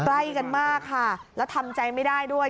ใกล้กันมากค่ะแล้วทำใจไม่ได้ด้วย